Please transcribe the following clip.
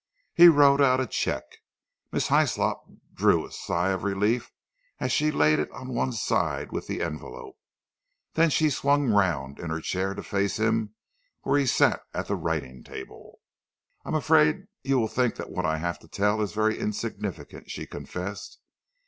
He wrote out a cheque. Miss Hyslop drew a sigh of relief as she laid it on one side with the envelope. Then she swung round in her chair to face him where he sat at the writing table. "I am afraid you will think that what I have to tell is very insignificant," she confessed.